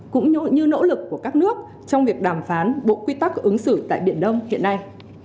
cũng như nỗ lực của các nước trong việc đàm phán bộ quy tắc ứng xử tại biển đông hiện nay